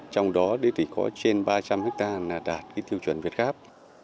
trong đó có trên ba trăm linh hectare đạt tiêu chuẩn việt gap